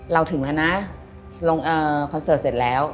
ถึงแล้วนะลงคอนเสิร์ตเสร็จแล้ว